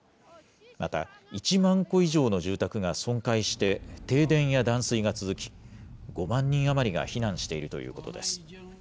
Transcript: また、１万戸以上の住宅が損壊して停電や断水が続き、５万人余りが避難しているということです。